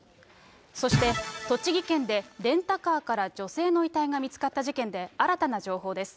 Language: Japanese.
そして、栃木県でレンタカーから女性の遺体が見つかった事件で、新たな情報です。